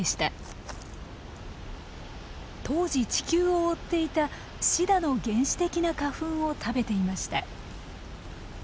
当時地球を覆っていたシダの原始的な花粉を食べていました。